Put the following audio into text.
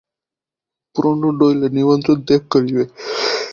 পুরানো ডৌলে নিমন্ত্রণ ত্যাগ করিবে।